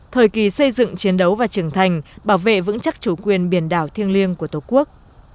thời kỳ xây dựng chiến đấu và trưởng thành bảo vệ vững chắc chủ quyền biển đảo thiêng liêng của tổ quốc